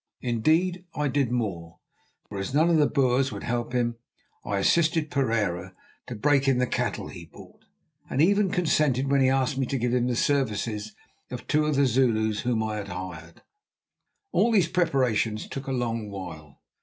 Indeed, I did more; for as none of the Boers would help him I assisted Pereira to break in the cattle he bought, and even consented when he asked me to give him the services of two of the Zulus whom I had hired. All these preparations took a long while.